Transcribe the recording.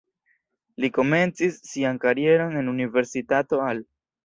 Li komencis sian karieron en Universitato Al.